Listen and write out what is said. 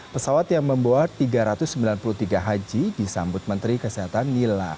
pesawat yang membawa tiga ratus sembilan puluh tiga haji disambut menteri kesehatan nila